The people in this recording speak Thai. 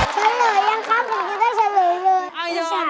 เฉลยยังครับผมจะได้เฉลยเลย